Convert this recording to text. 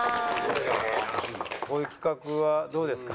こういう企画はどうですか？